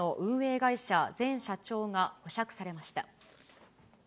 会社前社長が保釈されました。